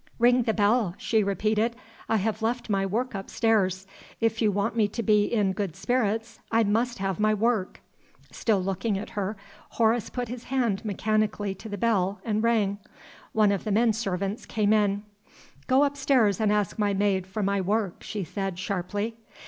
"Ring the bell!" she repeated. "I have left my work upstairs. If you want me to be in good spirits, I must have my work." Still looking at her, Horace put his hand mechanically to the bell and rang. One of the men servants came in. "Go upstairs and ask my maid for my work," she said, sharply.